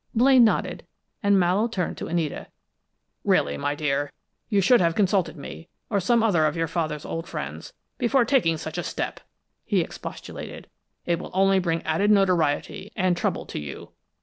Blaine nodded, and Mallowe turned to Anita. "Really, my dear, you should have consulted me, or some other of your father's old friends, before taking such a step!" he expostulated. "It will only bring added notoriety and trouble to you.